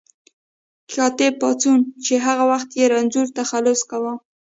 کاتب پاڅون چې هغه وخت یې رنځور تخلص کاوه.